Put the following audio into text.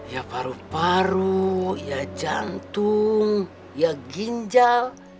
ya paru paru jantung ya ginjal